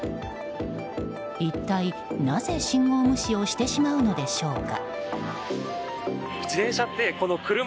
一体なぜ信号無視をしてしまうのでしょうか。